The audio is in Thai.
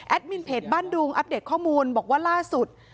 มินเพจบ้านดุงอัปเดตข้อมูลบอกว่าล่าสุด